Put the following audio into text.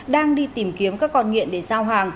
đang đi tìm kiếm các con nghiện để giao hàng